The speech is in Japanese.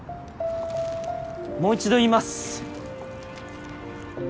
もう一度言います。